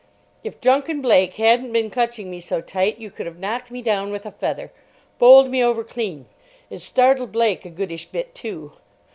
If drunken Blake hadn't been clutching me so tight you could have knocked me down with a feather: bowled me over clean. It startled Blake a goodish bit, too.